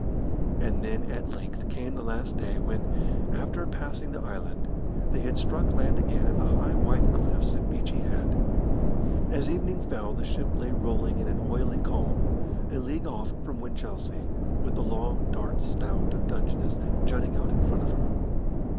And then at length came the last day, when, after passing the island, they had struck land again at the high white cliffs at Beachy Head. As evening fell the ship lay rolling in an oily calm, a league off from Winchelsea, with the long, dark snout of Dungeness jutting out in front of her.